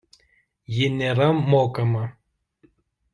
Ji nėra mokama.